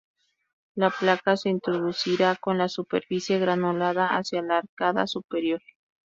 La placa se introducirá con la superficie granulada hacia la arcada superior.